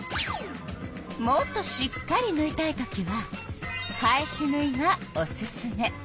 もっとしっかりぬいたいときは返しぬいがおすすめ。